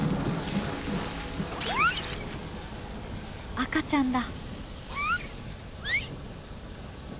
赤ちゃんだ。